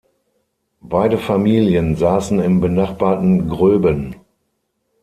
Beide Familien saßen im benachbarten Gröben.